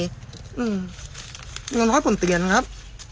อย่างน้อยผมเตือนครับ